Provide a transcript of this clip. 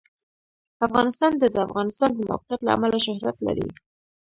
افغانستان د د افغانستان د موقعیت له امله شهرت لري.